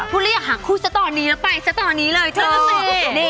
พูดแล้วอยากหาคู่ซะตอนนี้แล้วไปซะตอนนี้เลยเถอะ